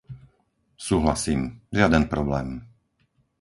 Súhlasím - žiaden problém.